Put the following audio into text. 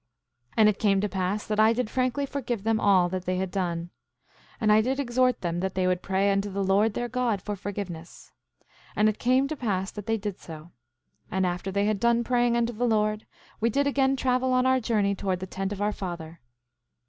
7:21 And it came to pass that I did frankly forgive them all that they had done, and I did exhort them that they would pray unto the Lord their God for forgiveness. And it came to pass that they did so. And after they had done praying unto the Lord we did again travel on our journey towards the tent of our father.